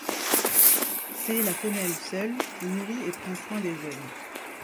C’est la femelle seule qui nourrit et prend soin des jeunes.